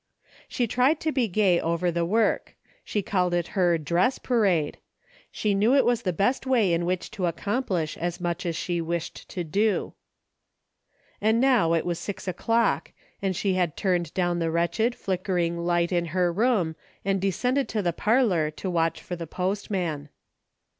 She tried to be gay over the work. She called it her " dress parade." She knew it was the best way in which to ac complish as much as she wished to do. And now it was six o'clock, and she had turned down the wretched, flickering light in her room and descended to the parlor to watch for the postman.